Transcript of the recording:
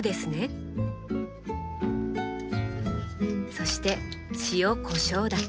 そして塩こしょうだけ。